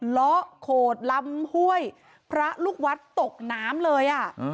ล้อโขดลำห้วยพระลูกวัดตกน้ำเลยอ่ะ